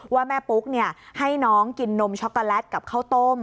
ว่าแม่ปุ๊กให้น้องกินนมช็อกโกแลตกับข้าวต้ม